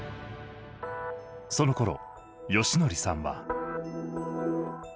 そのころ芳徳さんは。